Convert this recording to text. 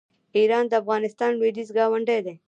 ایران د افغانستان لویدیځ ګاونډی دی.